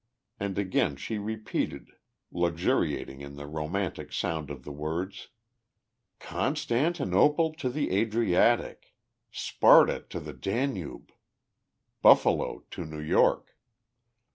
And again she repeated, luxuriating in the romantic sound of the words: "Constantinople to the Adriatic! Sparta to the Danube! Buffalo to New York!"